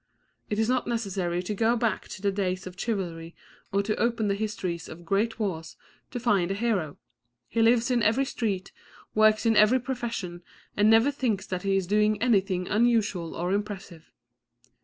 It is not necessary to go back to the days of chivalry or to open the histories of great wars to find a hero; he lives in every street, works in every profession and never thinks that he is doing anything unusual or impressive.